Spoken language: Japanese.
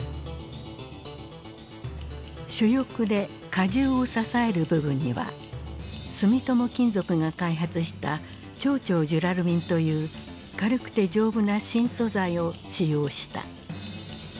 主翼で荷重を支える部分には住友金属が開発した超々ジュラルミンという軽くて丈夫な新素材を使用した。